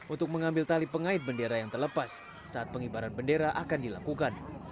untuk mengambil tali pengait bendera yang terlepas saat pengibaran bendera akan dilakukan